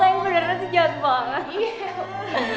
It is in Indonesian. sayang beneran sih jahat banget